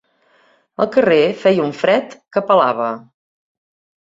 Al carrer feia un fred que pelava.